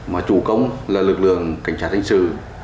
mà chủ công là lực lượng cảnh sát hành sử